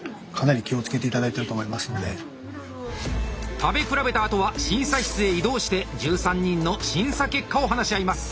食べ比べたあとは審査室へ移動して１３人の審査結果を話し合います。